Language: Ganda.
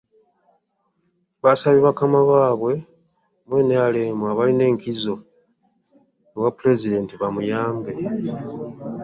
Basabye bakama baabwe mu NRM abalina enkizo ewa pulezidenti bamuyambe.